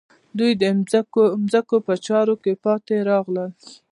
دوی د ځمکو په چارو کې پاتې راغلل.